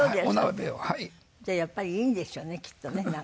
ではやっぱりいいんでしょうねきっとねなんかね。